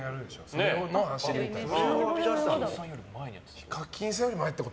それの走りみたいな。